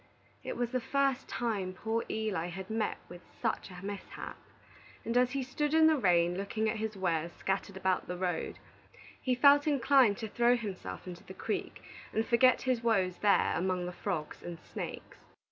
It was the first time poor Eli had met with such a mishap, and as he stood in the rain looking at his wares scattered about the road, he felt inclined to throw himself into the creek, and forget his woes there among the frogs and snakes.